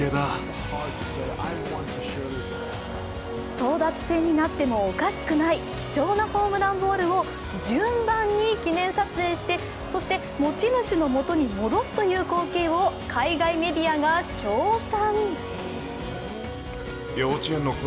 争奪戦になってもおかしくな貴重なホームランボールを順番に記念撮影して、持ち主のもとに戻すという光景を海外メディアが称賛。